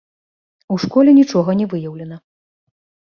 У школе нічога не выяўлена.